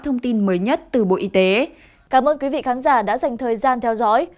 thông tin mới nhất từ bộ y tế cảm ơn quý vị khán giả đã dành thời gian theo dõi